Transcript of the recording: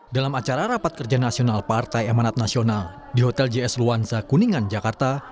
dalam acara rapat kerja nasional partai amanat nasional di hotel js luansa kuningan jakarta